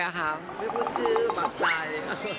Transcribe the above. ไม่พูดชื่อบังใจ